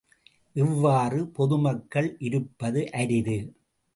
இவ்வாறு பொது மக்கள் இருப்பது அரிது.